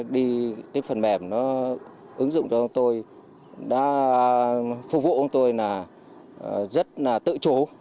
đi cái phần mềm nó ứng dụng cho tôi đã phục vụ ông tôi là rất là tự chố